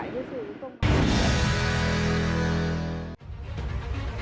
cái sự công an